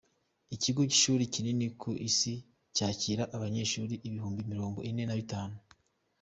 Ikigo cy’ishuri kinini ku isi cyakira abanyeshuri ibihumbi mirongo ine nabitanu